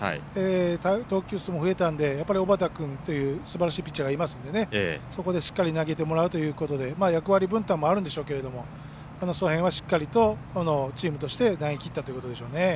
投球数も増えたんで小畠君というすばらしいピッチャーがいますんでね、そこでしっかり投げてもらうということで役割分担もあるんでしょうけどその辺はしっかりとチームとして投げきったということでしょうね。